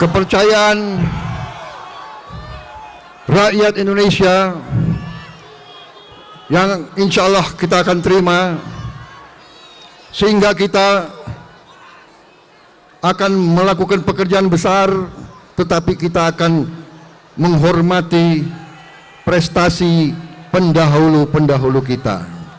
kepercayaan rakyat indonesia yang insya allah kita akan terima sehingga kita akan melakukan pekerjaan besar tetapi kita akan menghormati prestasi pendahulu pendahulu kita